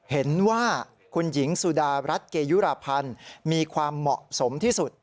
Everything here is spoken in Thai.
เห็นว่าคุณหญิงสุดารัฐเกยุรพันธ์มีความเหมาะสมที่สุด